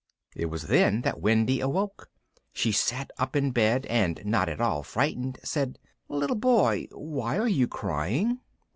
It was then that Wendy awoke. She sat right up in bed, and, not at all frightened, said: "Little boy, why are you crying?"